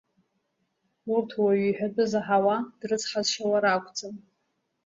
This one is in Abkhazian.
Урҭ уаҩы иҳәатәы заҳауа, дрыцҳазшьауа ракәӡам…